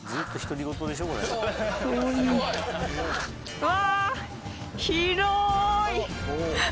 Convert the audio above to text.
うわ！